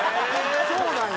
そうなんや！